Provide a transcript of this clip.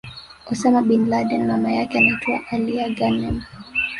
Osama bin Laden Mama yake anaitwa Alia Ghanem